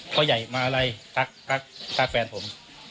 พ่อใหญ่มาอะไรทักทักแฟนผม